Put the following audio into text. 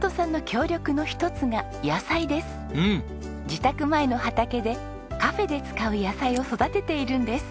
自宅前の畑でカフェで使う野菜を育てているんです。